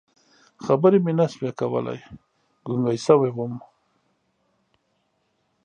خبرې مې نه شوې کولی، ګونګی شوی وم.